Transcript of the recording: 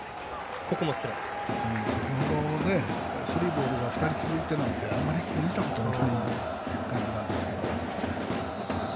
先程、スリーボールが２人続いたのであまり見たことがない感じなんですけど。